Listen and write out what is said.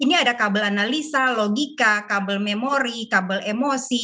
ini ada kabel analisa logika kabel memori kabel emosi